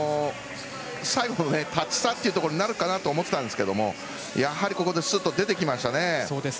最後の、タッチ差というところになるかなと思ったんですがやはり、すっと出てきました。